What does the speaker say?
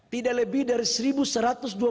tidak lebih dari satu satu ratus dua puluh